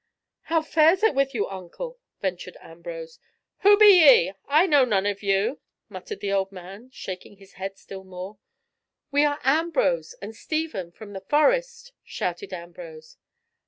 "How fares it with you, uncle?" ventured Ambrose. "Who be ye? I know none of you," muttered the old man, shaking his head still more. "We are Ambrose and Stephen from the Forest," shouted Ambrose.